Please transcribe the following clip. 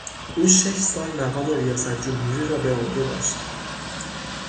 او شش سال مقام ریاست جمهوری را به عهده داشت.